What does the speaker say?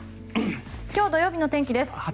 今日土曜日のお天気です。